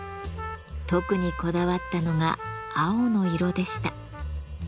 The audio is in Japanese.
特にこだわったのが青の色でした。